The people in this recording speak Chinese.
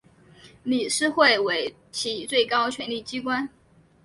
理事会为其最高权力机关。